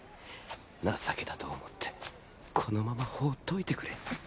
情けだと思ってこのまま放っといてくれ。